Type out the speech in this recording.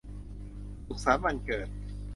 สุขสันต์วันเกิด